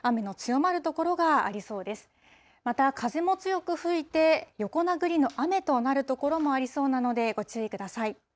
また、風も強く吹いて、横殴りの雨となる所もありそうなのでご注意ください。